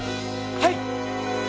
はい！